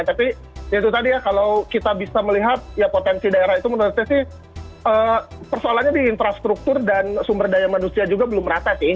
tapi ya itu tadi ya kalau kita bisa melihat ya potensi daerah itu menurut saya sih persoalannya di infrastruktur dan sumber daya manusia juga belum rata sih